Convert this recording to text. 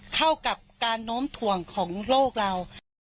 เข้ากับการโน้มถ่วงของโลกเรา